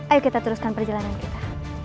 ayo kita teruskan perjalanan kita